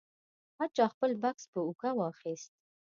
هر چا خپل بکس په اوږه واخیست.